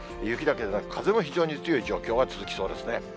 雪だけでなく、風も非常に強い状況が続きそうですね。